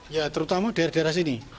ya terutama daerah daerah sini